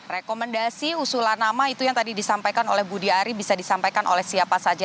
rekomendasi usulan nama itu yang tadi disampaikan oleh budi ari bisa disampaikan oleh siapa saja